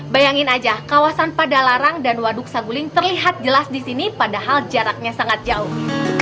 bayangin aja kawasan padalarang dan waduk saguling terlihat jelas di sini padahal jaraknya sangat jauh